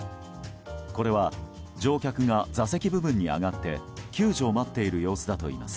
これは乗客が座席部分に上がって救助を待っている様子だといいます。